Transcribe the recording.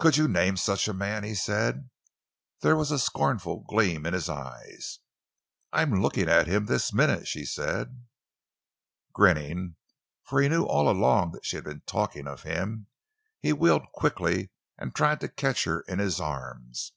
"Could you name such a man?" he said. There was a scornful gleam in his eyes. "I am looking at him this minute!" she said. Grinning, for he knew all along that she had been talking of him, he wheeled quickly and tried to catch her in his arms.